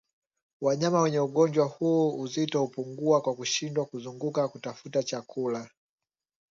Wanyama wenye ugonjwa huu uzito hupungua kwa kushindwa kuzunguka kutafuta chakula